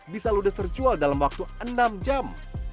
bisa ludes terjual dalam waktu enam jam